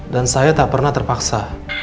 saya tak pernah terpaksa